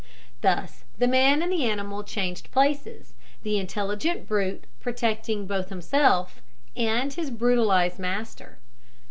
Thus the man and animal changed places, the intelligent brute protecting both himself and his brutalised master.